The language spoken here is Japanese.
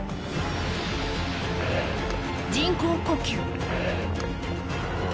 人工呼吸。